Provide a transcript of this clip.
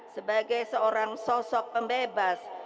sebagai seorang sosok pembebas